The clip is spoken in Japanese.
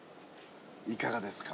◆いかがですか。